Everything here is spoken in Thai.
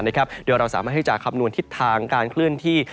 โดยเราสามารถที่จะคำนวณทิศทางการเคลื่อนที่